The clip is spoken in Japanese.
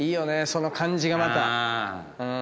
その感じがまた。